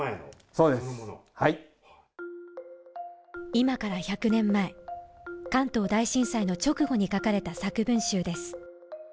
今から１００年前関東大震災の直後に書かれた作文集です